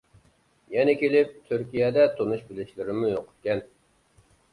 يەنە كېلىپ تۈركىيەدە تونۇش بىلىشلىرىمۇ يوق ئىكەن.